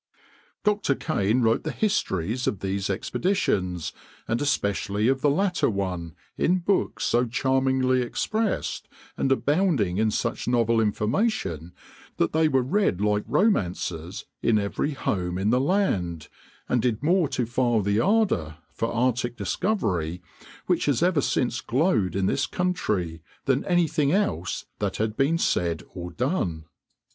Dr. Kane wrote the histories of these expeditions, and especially of the latter one, in books so charmingly expressed, and abounding in such novel information, that they were read like romances in every home in the land, and did more to fire the ardor for Arctic discovery which has ever since glowed in this country, than anything else that had been said or done.